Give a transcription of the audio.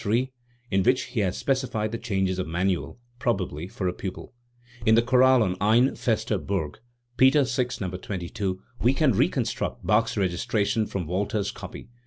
3), in which he has specified the changes of manual, probably for a pupil. In the chorale on "Ein' feste Burg" (Peters VI, No. 22) we can reconstruct Bach's registration from Walther's copy.